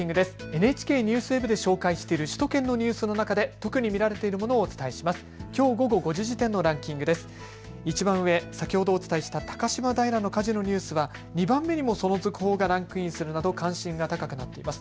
ＮＨＫＮＥＷＳＷＥＢで紹介している首都圏のニュースの中で特に見られているものをお伝えします。